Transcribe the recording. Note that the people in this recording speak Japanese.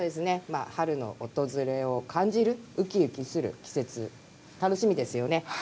春の訪れを感じるうきうきする季節、楽しみですよね。